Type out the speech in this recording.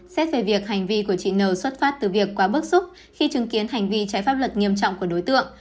xét về việc hành vi của chị nờ xuất phát từ việc quá bức xúc khi chứng kiến hành vi trái pháp luật nghiêm trọng của đối tượng